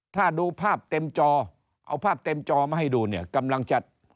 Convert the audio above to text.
ถ้าดูภาพเต็มจอเอาภาพเต็มจอมาให้ดูเนี่ยกำลังจะ